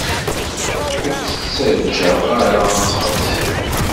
Ur k-ttaǧǧaɣ ara ad txellṣeḍ.